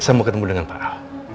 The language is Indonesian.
saya mau ketemu dengan pak ahok